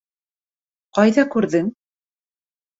Ҡайҙа күрҙең?